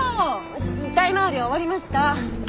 遺体周りは終わりました。